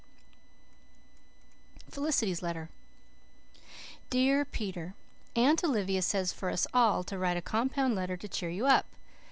C. K." FELICITY'S LETTER "DEAR PETER: Aunt Olivia says for us all to write a compound letter to cheer you up.